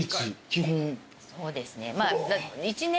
そうですね。